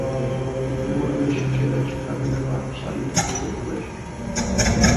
ګمان نه شي کېدای چې کابینه به په سالمه توګه جوړه شي.